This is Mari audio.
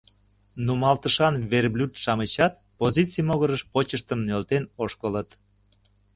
Нумалтышан верблюд-шамычат позиций могырыш почыштым нӧлтен ошкылыт.